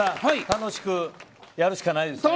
楽しくやるしかないですね。